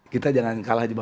kita jangan kalah